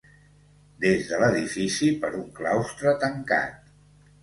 Des de l'edifici per un claustre tancat.